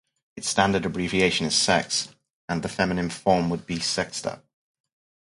Its standard abbreviation is Sex., and the feminine form would be Sexta.